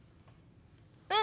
うん！